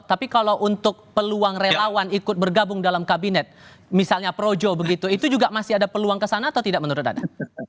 tapi kalau untuk peluang relawan ikut bergabung dalam kabinet misalnya projo begitu itu juga masih ada peluang kesana atau tidak menurut anda